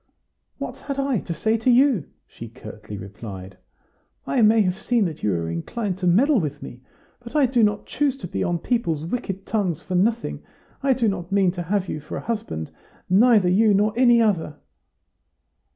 "What had I to say to you?" she curtly replied. "I may have seen that you were inclined to meddle with me, but I do not choose to be on people's wicked tongues for nothing. I do not mean to have you for a husband neither you nor any other."